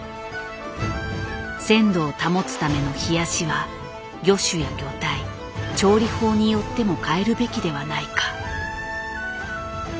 鮮度を保つための冷やしは魚種や魚体調理法によっても変えるべきではないか。